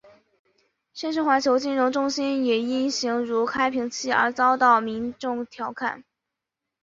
现时环球金融中心也因形如开瓶器而遭到民众调侃。